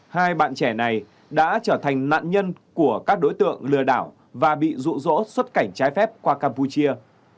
hai bạn trẻ này đã trở thành nạn nhân của các đối tượng lừa đảo và bị rụ rỗ xuất cảnh trái phép qua campuchia